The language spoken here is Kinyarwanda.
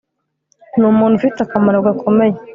Ni umuntu ufite akamaro gakomeye